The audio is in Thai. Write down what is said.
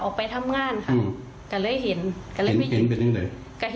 คิดประมาณนั้นเพราะว่าอันเนี่ยมันคือเบียนใหม่ค่ะ